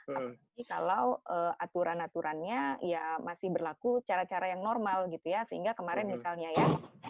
tapi kalau aturan aturannya ya masih berlaku cara cara yang normal gitu ya sehingga kemarin misalnya ya